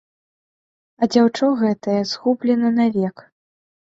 А дзяўчо гэтае згублена навек.